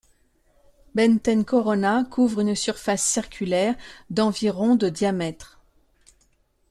Benten Corona couvre une surface circulaire d'environ de diamètre.